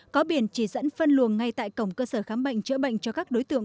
có biển chỉ dẫn phân luồng ngay tại cổng cơ sở khám bệnh chữa bệnh cho các đối tượng